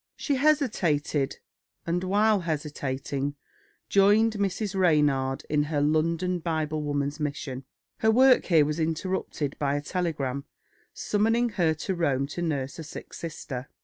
She hesitated, and while hesitating, joined Mrs. Ranyard in her London Biblewoman's Mission. Her work here was interrupted by a telegram summoning her to Rome to nurse a sick sister.